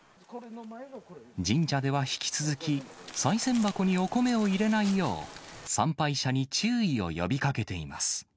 神社では引き続き、さい銭箱にお米を入れないよう、参拝者に注意を呼びかけています。